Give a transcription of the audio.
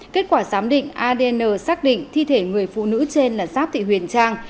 kết quả giám định adn xác định thi thể người phụ nữ trên là giáp thị huyền trang